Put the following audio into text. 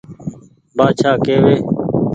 بآڇآ ڪيوي